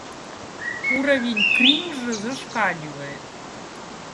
Уровень кринжа зашкаливает.